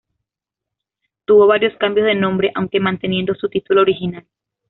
Tuvo varios cambios de nombre, aunque manteniendo su título original.